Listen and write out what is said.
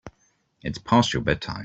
It's past your bedtime.